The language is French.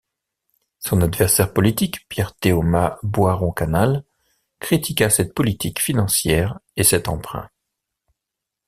Son adversaire politique Pierre Théoma Boisrond-Canal critiqua cette politique financière et cet emprunt.